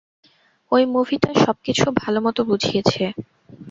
ওই মুভিটা সবকিছু ভালমত বুঝিয়েছে।